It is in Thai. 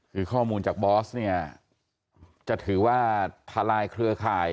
คือข้อมูลจากบอสเนี่ยจะถือว่าทลายเครือข่าย